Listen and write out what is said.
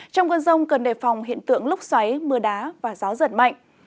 trong cơn rông cần đề phòng hiện tượng lúc xoáy mưa đá và gió giật mạnh